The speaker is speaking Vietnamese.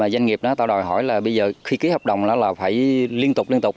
doanh nghiệp đó tạo đòi hỏi là bây giờ khi ký hợp đồng là phải liên tục liên tục